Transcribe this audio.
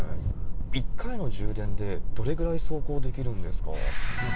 １回の充電でどれくらい走行できるんですか？